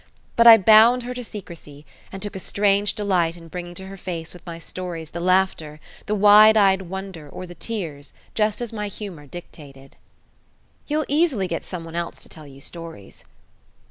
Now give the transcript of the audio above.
But I bound her to secrecy, and took a strange delight in bringing to her face with my stories the laughter, the wide eyed wonder, or the tears just as my humour dictated. "You'll easily get someone else to tell you stories."